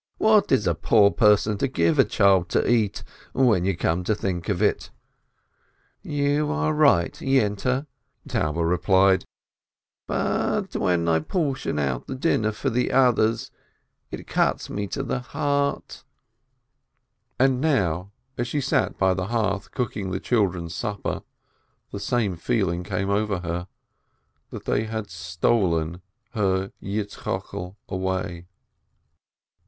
What is a poor person to give a child to eat, when you come to think of it?" "You are right, Yente," Taube replied, "but when I portion out the dinner for the others, it cuts me to the heart," And now, as she sat by the hearth cooking the chil dren's supper, the same feeling came over her, that they had stolen her Yitzchokel away.